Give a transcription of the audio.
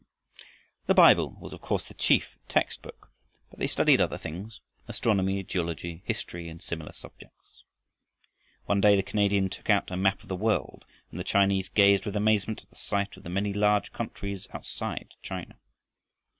The Bible was, of course, the chief textbook, but they studied other things, astronomy, geology, history, and similar subjects. One day the Canadian took out a map of the world, and the Chinese gazed with amazement at the sight of the many large countries outside China.